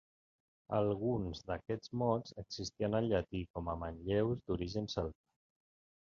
Alguns d'aquests mots existien al llatí com a manlleus d'origen celta.